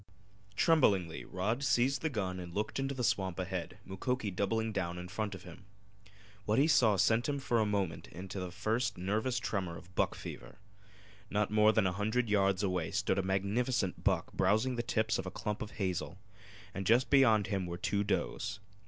Tremblingly Rod seized the gun and looked into the swamp ahead, Mukoki doubling down in front of him. What he saw sent him for a moment into the first nervous tremor of buck fever. Not more than a hundred yards away stood a magnificent buck browsing the tips of a clump of hazel, and just beyond him were two does.